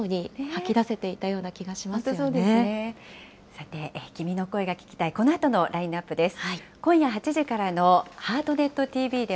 さて、君の声が聴きたい、このあとのラインナップです。